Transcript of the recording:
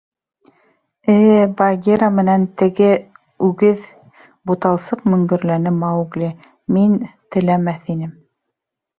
— Э-э, Багира менән теге... үгеҙ... — буталсыҡ мөңгөрләне Маугли, — мин... теләмәҫ инем...